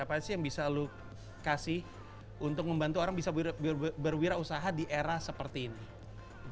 apa sih yang bisa lo kasih untuk membantu orang bisa berwirausaha di era seperti ini